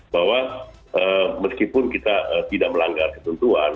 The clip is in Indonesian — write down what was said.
bahwa meskipun kita tidak melanggar ketentuan